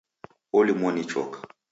Olumwa ni choka